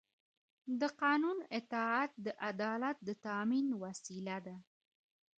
د قانون اطاعت د عدالت د تأمین وسیله ده